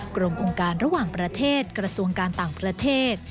กรมองค์การระหว่างประเทศกระทรวงการต่างประเทศ